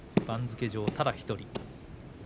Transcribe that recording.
番付上、ただ１人。